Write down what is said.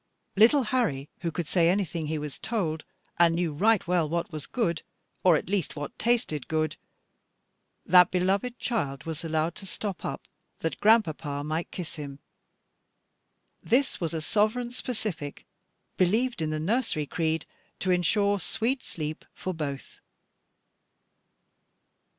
Little Harry, who could say anything he was told, and knew right well what was good, or at least what tasted good that beloved child was allowed to stop up, that grandpapa might kiss him; this was a sovereign specific, believed in the nursery creed, to ensure sweet sleep for both.